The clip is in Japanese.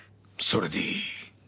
それでいい。